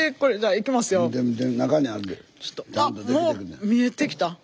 え見えてきた。